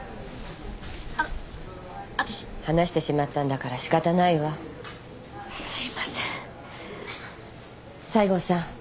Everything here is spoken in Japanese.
あの私話してしまったんだからしかたないわすいません西郷さん